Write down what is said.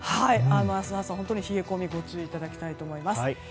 明日の朝、本当に冷え込みにご注意いただきたいと思います。